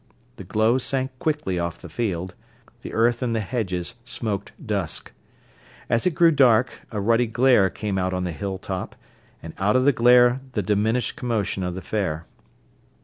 The glow sank quickly off the field; the earth and the hedges smoked dusk. As it grew dark, a ruddy glare came out on the hilltop, and out of the glare the diminished commotion of the fair.